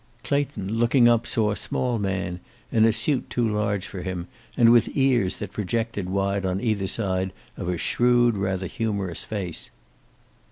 Clayton, looking up, saw a small man, in a suit too large for him, and with ears that projected wide on either side of a shrewd, rather humorous face.